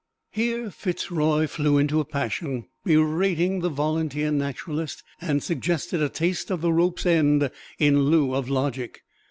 Here Fitz Roy flew into a passion, berating the volunteer naturalist, and suggested a taste of the rope's end in lieu of logic.